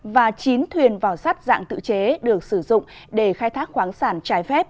và chín thuyền vỏ sắt dạng tự chế được sử dụng để khai thác khoáng sản trái phép